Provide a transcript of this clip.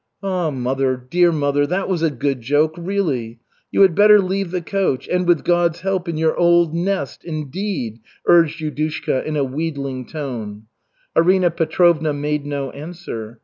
"Ah, mother, dear mother, that was a good joke, really! You had better leave the coach and, with God's help, in your old nest indeed," urged Yudushka in a wheedling tone. Arina Petrovna made no answer.